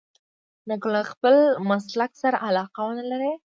نو که له خپل مسلک سره علاقه ونه لرئ.